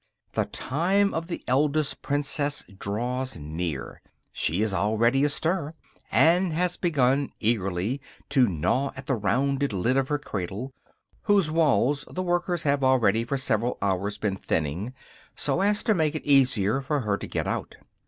The time of the eldest princess draws near; she is already astir, and has begun eagerly to gnaw at the rounded lid of her cradle, whose walls the workers have already for several hours been thinning, so as to make it easier for her to get out.